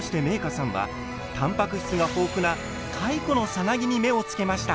さんはたんぱく質が豊富なかいこのサナギに目をつけました。